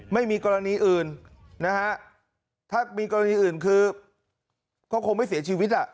ไม่มีกรณีอื่นนะฮะถ้ามีกรณีคือเขาคงไม่เสียชีวิตแล้ว